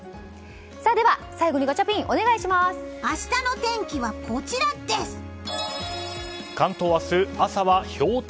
では、最後にガチャピン明日の天気はこちらです！